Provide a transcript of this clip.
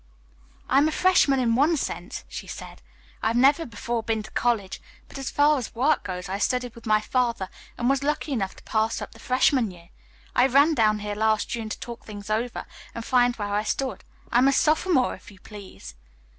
"I am a freshman in one sense," she said. "I have never before been to college, but as far as work goes I studied with my father and was lucky enough to pass up the freshman year. I ran down here last June to talk things over and find where I stood. I'm a sophomore, if you please."